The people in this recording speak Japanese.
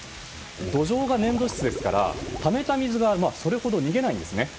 土壌が粘土質ですからためた水がそれほど逃げないんですね。